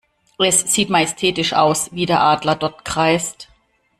Es sieht majestätisch aus, wie der Adler dort kreist.